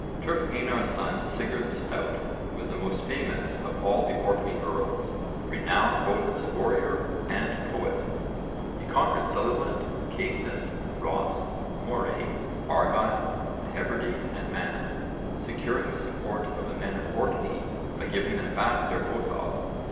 Turf Einar's son Sigurd the Stout was the most famous of all the Orkney earls, renowned both as warrior and poet. He conquered Sutherland, Caithness, Ross, Moray, Argyle, the Hebrides and Man, securing the support of the men of Orkney by giving them back their óðal.